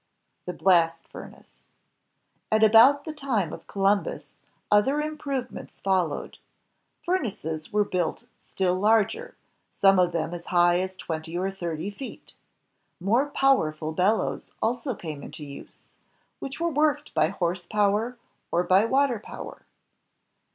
The Blast Furnace About the time of Columbus, other improvements fol lowed. Furnaces were built still larger, some of them as high as twenty or thirty feet. More powerful bellows also came into use, which were worked by horse power or by water power.